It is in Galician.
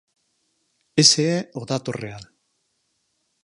Ese é o dato real.